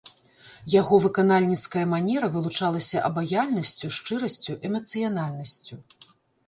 Яго выканальніцкая манера вылучалася абаяльнасцю, шчырасцю, эмацыянальнасцю.